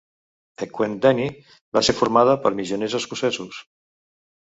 Ekwendeni va ser fundada per missioners escocesos.